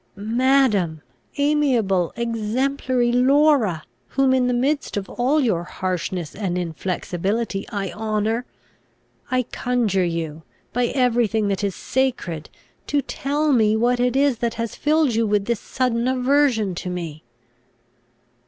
"Madam! Amiable, exemplary Laura! whom, in the midst of all your harshness and inflexibility, I honour! I conjure you, by every thing that is sacred, to tell me what it is that has filled you with this sudden aversion to me."